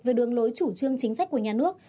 về đường lối chủ trương chính sách của nhà nước